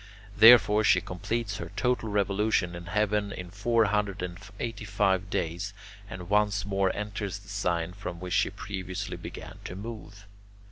Therefore she completes her total revolution in heaven in four hundred and eighty five days, and once more enters the sign from which she previously began to move.